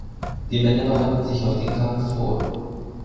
Die Männer bereiten sich auf den Kampf vor.